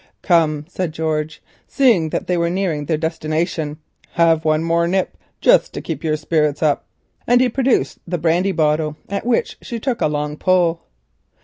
"Come," said George, seeing that they were nearing their destination. "Hev one more nip just to keep your spirits up," and he produced the brandy bottle, at which she took a long pull.